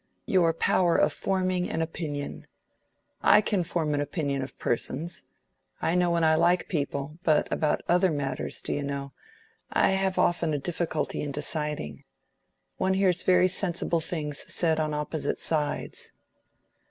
"Your power of forming an opinion. I can form an opinion of persons. I know when I like people. But about other matters, do you know, I have often a difficulty in deciding. One hears very sensible things said on opposite sides."